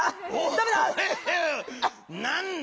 ダメだ。